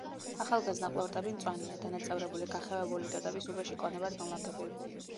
ახალგაზრდა ყლორტები მწვანეა, დანაწევრებული, გახევებული ტოტების უბეში კონებად განლაგებული.